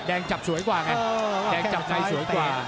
จับสวยกว่าไงแดงจับในสวยกว่า